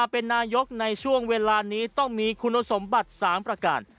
เป็นนายกในช่วงเวลานี้ต้องมีคุณสมบัติ๓ประการ